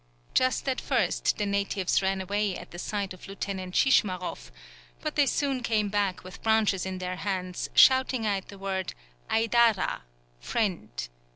Just at first the natives ran away at the sight of Lieutenant Schischmaroff, but they soon came back with branches in their hands, shouting out the word aidara (friend).